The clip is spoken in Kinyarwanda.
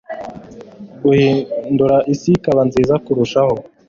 Guhindura isi ikaba nziza kurushaho